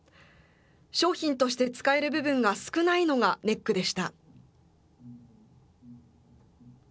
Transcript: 商品として使える部分が少ないのがネックでした。